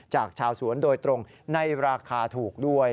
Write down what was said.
จากชาวสวนโดยตรงในราคาถูกด้วย